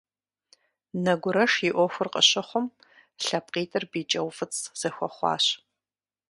Нэгурэш и Ӏуэхур къыщыхъум, лъэпкъитӀыр бий кӀэуфӀыцӀ зэхуэхъуащ.